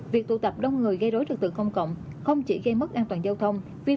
việc tụ tập đông người gây rối trực tượng không cộng không chỉ gây mất an toàn giao thông